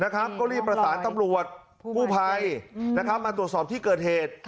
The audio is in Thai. ก็รีบประสานตำรวจกู้ภัยมาตรวจสอบที่เกิดเหตุ